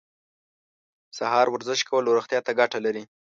سهار ورزش کول روغتیا ته ګټه لري.